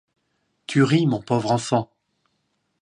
Tu ris, mon pauvre enfant !